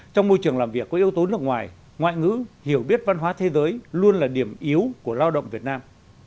trong môi trường làm việc có yếu tố nước ngoài ngoại ngữ hiểu biết văn hóa thế giới luôn là điểm yếu của lao động việt nam